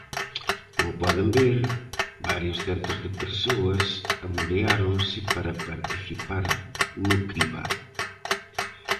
Como poden ver, varios centos de persoas amoreáronse para participar no cribado.